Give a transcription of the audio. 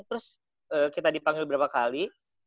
terus semenjak ada ini terus kita dipanggil berapa kali